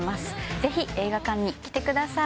ぜひ映画館に来てください